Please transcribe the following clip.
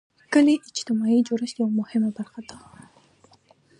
کلي د اجتماعي جوړښت یوه مهمه برخه ده.